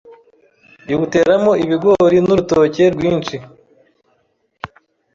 biwuteramo ibigori n'urutoke rwinshi